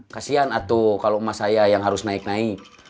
kasian atu kalau emas saya yang harus naik naik